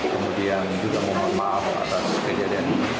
kemudian juga memaaf atas kejadian ini